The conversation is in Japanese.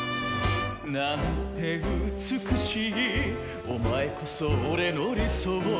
「なんて美しいお前こそ俺の理想」